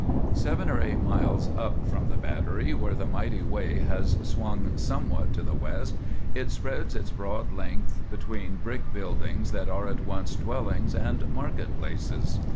Seven or eight miles up from the Battery, where the mighty way has swung somewhat to the west, it spreads its broad length between brick buildings that are at once dwellings and market places.